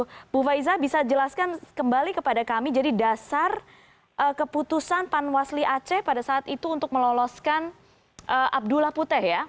ibu faiza bisa jelaskan kembali kepada kami jadi dasar keputusan panwasli aceh pada saat itu untuk meloloskan abdullah putih ya